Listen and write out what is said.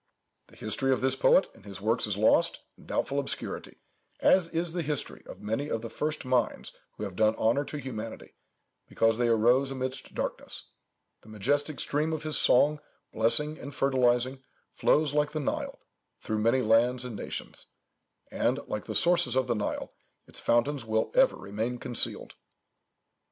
The history of this poet and his works is lost in doubtful obscurity, as is the history of many of the first minds who have done honour to humanity, because they rose amidst darkness. The majestic stream of his song, blessing and fertilizing, flows like the Nile, through many lands and nations; and, like the sources of the Nile, its fountains will ever remain concealed."